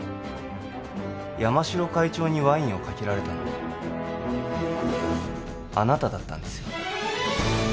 山城会長にワインをかけられたのはあなただったんですよ